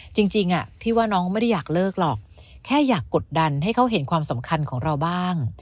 จริงพี่ว่าน้องไม่ได้อยากเลิกหรอกแค่อยากกดดันให้เขาเห็นความสำคัญของเราบ้าง